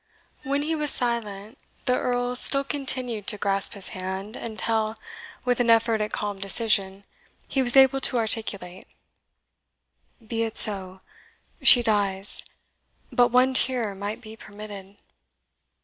When he was silent, the Earl still continued to rasp his hand, until, with an effort at calm decision, he was able to articulate, "Be it so she dies! But one tear might be permitted."